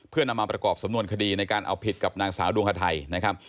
เพื่อนำมาประกอบสำนวนคดีในการเอาผิดกับนางสาวดวงฮาไทยนะครับ